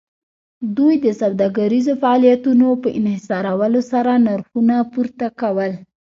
دوی د سوداګریزو فعالیتونو په انحصارولو سره نرخونه پورته کول